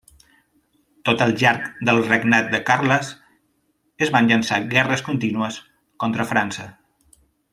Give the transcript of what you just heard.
Tot el llarg de regnat de Carles es van llençar guerres contínues contra França.